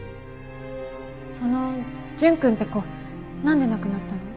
その純くんって子なんで亡くなったの？